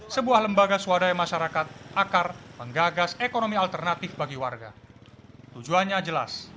sebuah lembaga swadaya masyarakat akar menggagas ekonomi alternatif bagi warga tujuannya jelas